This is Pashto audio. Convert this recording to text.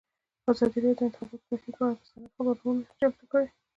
ازادي راډیو د د انتخاباتو بهیر پر اړه مستند خپرونه چمتو کړې.